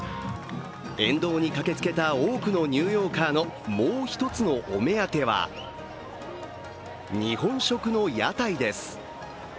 沿道に駆けつけた多くのニューヨーカーのもう一つのお目当ては日本食の屋台です。